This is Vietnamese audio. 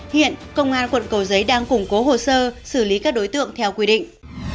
hiện công an quận cầu giấy đang củng cố hồ sơ xử lý các đối tượng theo quy định